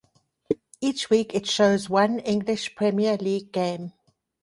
Each week it shows one English Premier League game.